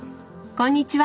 こんにちは。